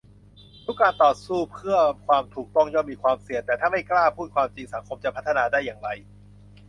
ทุกการต่อสู้เพื่อความถูกต้องย่อมมีความเสี่ยง แต่ถ้าไม่กล้าพูดความจริงสังคมจะพัฒนาได้อย่างไร ?